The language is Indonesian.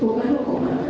bukan hukum apa